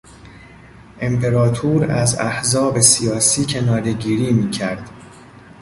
امپراطور از احزاب سیاسی کنارهگیری میکرد.